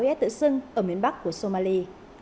ys tự sưng ở miền bắc của somali